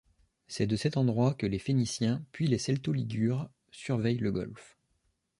C'est de cet endroit que les Phéniciens puis les Celto-Ligures surveillent le golfe.